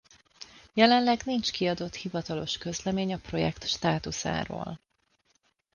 Jelenleg nincs kiadott hivatalos közlemény a projekt státuszáról.